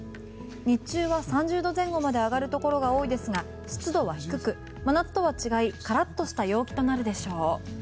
日中は３０度前後まで上がるところが多いですが湿度は低く真夏とは違いカラッとした陽気となるでしょう。